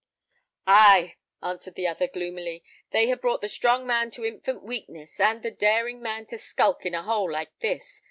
"Ay!" answered the other, gloomily, "they have brought the strong man to infant weakness, and the daring man to skulk in a hole like this.